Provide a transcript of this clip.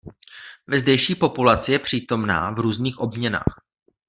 Ve zdejší populaci je přítomná v různých obměnách.